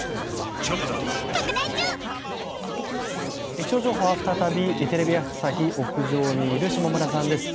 気象情報は再びテレビ朝日屋上にいる下村さんです。